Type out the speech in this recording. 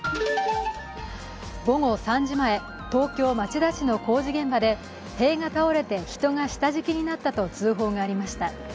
午後３時前、東京・町田市の工事現場で塀が倒れて人が下敷きになったと通報がありました。